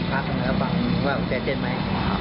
ปำนี่ก็แก๊วมากหัวใจเซ็นมั้ย